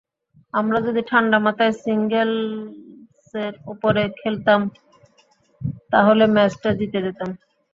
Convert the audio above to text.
আমরা যদি ঠান্ডা মাথায় সিঙ্গেলসের ওপরে খেলতাম, তাহলে ম্যাচটা জিতে যেতাম।